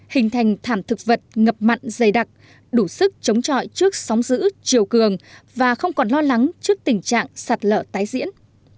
hình thành thảm thực vật ngập mặn dày đặc đủ sức chống trọi trước sóng giữ chiều cường và không còn lo lắng trước tình trạng sạt lở tái diễn